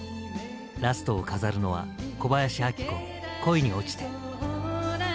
ラストを飾るのは小林明子「恋におちて」。